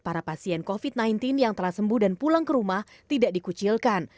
para pasien covid sembilan belas yang telah sembuh dan pulang ke rumah tidak dikucilkan